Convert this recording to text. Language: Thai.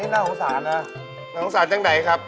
น่าโขงสารจังไหนครับ